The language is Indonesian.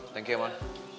thank you man